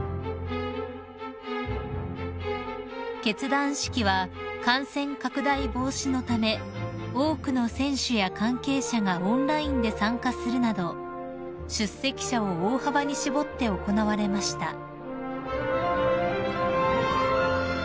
［結団式は感染拡大防止のため多くの選手や関係者がオンラインで参加するなど出席者を大幅に絞って行われました］